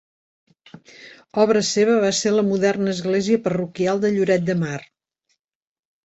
Obra seva va ser la moderna església parroquial de Lloret de Mar.